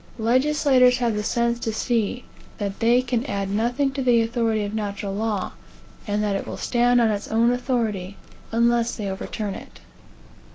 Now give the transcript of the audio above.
Legislators have the sense to see that they can add nothing to the authority of natural law, and that it will stand on its own authority, unless they overturn it.